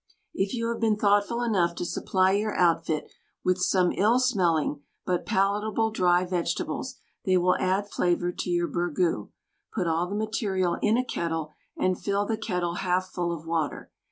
If you have been thoughtful enough to supply your outfit with some ill smelling, but palatable dry vegetables, they will add flavor to your burgoo, put all the material in a kettle, and fill the kettle half full of water.